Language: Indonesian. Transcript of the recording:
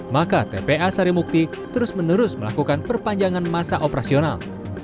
maka tpa sarimukti terus menerus melakukan perpanjangan masa operasional